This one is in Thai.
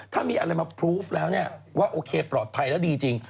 ถ้ามีอะไรมาพรูฟแล้วเนี่ยว่าโอเคปลอดภัยแล้วดีจริง